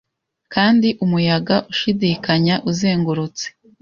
Kandi umuyaga ushidikanya uzengurutse